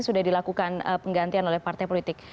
sudah dilakukan penggantian oleh partai politik